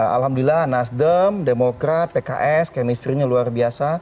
alhamdulillah nasdem demokrat pks kemistrinya luar biasa